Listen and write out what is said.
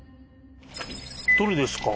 どれですか？